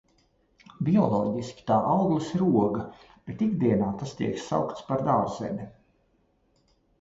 Bioloģiski tā auglis ir oga, bet ikdienā tas tiek saukts par dārzeni.